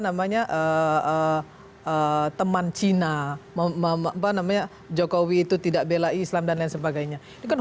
namanya eh teman cina mama nama jokowi itu tidak belai islam dan lain sebagainya kan